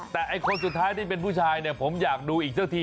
แต่ไอ้คนสุดท้ายที่เป็นผู้ชายเนี่ยผมอยากดูอีกสักที